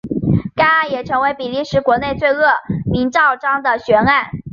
该案也成为比利时国内最恶名昭彰的悬案。